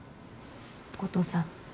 後藤さん。